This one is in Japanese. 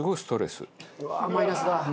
うわーマイナスだ。